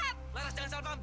laras jangan salpam